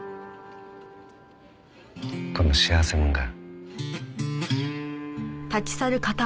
この幸せ者が。